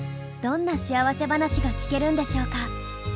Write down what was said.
どんな幸せ話が聞けるんでしょうか？